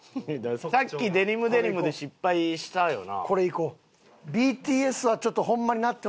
さっきデニムデニムで失敗したよな。